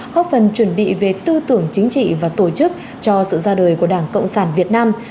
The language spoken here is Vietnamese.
góp phần chuẩn bị về tư tưởng chính trị và tổ chức cho sự ra đời của đảng cộng sản việt nam